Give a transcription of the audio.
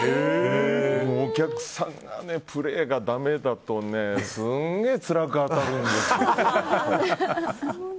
お客さんが、プレーがダメだとすげえつらく当たるんですよ。